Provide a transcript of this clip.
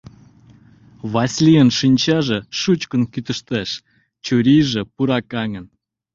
Васлийын шинчаже шучкын кӱтыштеш, чурийже пуракаҥын.